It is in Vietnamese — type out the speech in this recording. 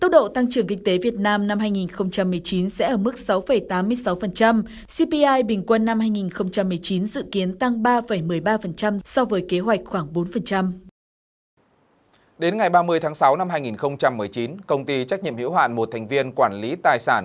đến ngày ba mươi tháng sáu năm hai nghìn một mươi chín công ty trách nhiệm hiểu hạn một thành viên quản lý tài sản